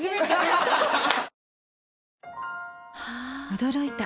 驚いた。